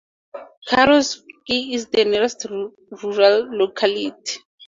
Kharovsk is the nearest rural locality.